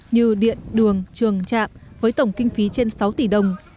như điện đường trường trạm với tổng kinh phí trên sáu tỷ đồng